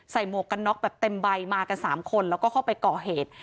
หมวกกันน็อกแบบเต็มใบมากัน๓คนแล้วก็เข้าไปก่อเหตุ